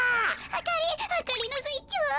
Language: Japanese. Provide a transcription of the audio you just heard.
あかりあかりのスイッチは？